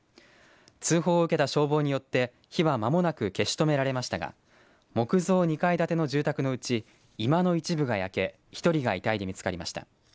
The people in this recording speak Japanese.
通報を受けた消防によって火は、まもなく消し止められましたが木造２階建ての住宅のうち居間の一部が焼け１人が遺体で見つかりました。